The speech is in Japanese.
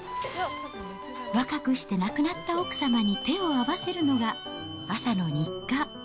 若くして亡くなった奥様に手を合わせるのが、朝の日課。